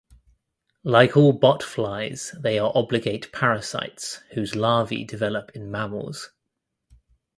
Like all bot flies they are obligate parasites whose larvae develop in mammals.